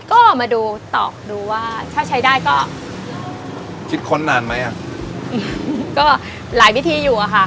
ก็มาดูตอกดูว่าถ้าใช้ได้ก็คิดค้นนานไหมอ่ะอืมก็หลายวิธีอยู่อะค่ะ